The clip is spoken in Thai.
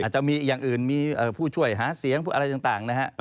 จะมีอย่างอื่นมีผู้ช่วยหาเสียงผู้อะไรต่างนะฮะ